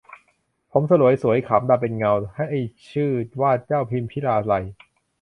ผมสลวยสวยขำดำเป็นเงา ให้ชื่อว่าเจ้าพิมพิลาไลย